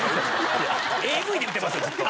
ＡＶで言うてますよずっと。